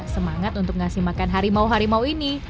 semangat untuk ngasih makan harimau harimau ini